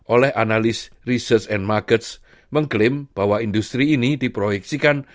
oleh analis research and markets mengklaim bahwa industri ini diproyeksikan